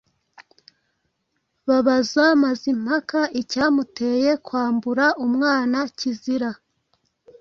Babaza Mazimpaka icyamuteye kwambura umwana kizira;